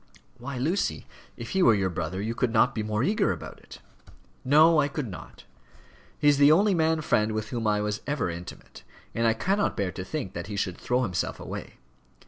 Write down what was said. "Why, Lucy, if he were your brother you could not be more eager about it." "No, I could not. He is the only man friend with whom I was ever intimate, and I cannot bear to think that he should throw himself away.